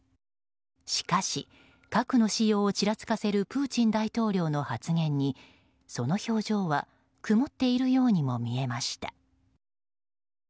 しかし、核の使用をちらつかせるプーチン大統領の発言にその表情は曇っているようにも見えました。